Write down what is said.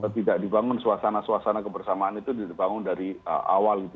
tidak dibangun suasana suasana kebersamaan itu dibangun dari awal gitu